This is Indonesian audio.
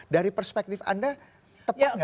dari perspektif anda tepat nggak